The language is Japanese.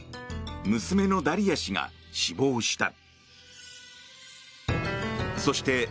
娘のダリヤ氏が死亡した。